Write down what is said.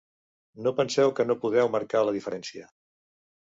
No penseu que no podeu marcar la diferència.